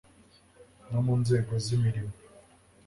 no mu nzego z'imirimo